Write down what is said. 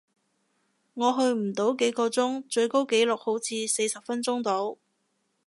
我去唔到幾個鐘，最高紀錄好似四十分鐘度